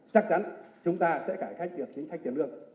chắc chắn chúng ta sẽ cải cách được chính sách tiền lương